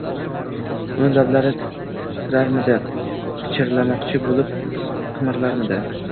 Uni lablari titrarmidi, pichirlamoqchi bo‘lib qimirlarmidi